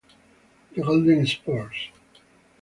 The Golden Spurs